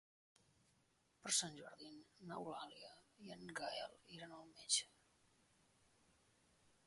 Per Sant Jordi n'Eulàlia i en Gaël iran al metge.